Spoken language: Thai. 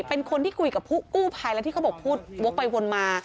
เป็นคนที่คุยกับผู้กู้ภัยแล้วที่เขาบอกพูดวกไปวนมา